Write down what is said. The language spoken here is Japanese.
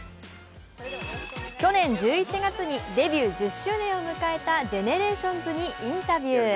去年１１月にデビュー１１周年を迎えたＧＥＮＥＲＡＴＩＯＮＳにインタビュー